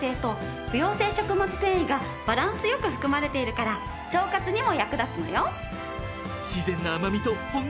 繊維がバランス良く含まれているから腸活にも役立つのよ。